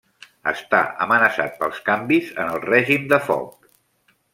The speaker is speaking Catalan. Està amenaçat pels canvis en el règim de foc.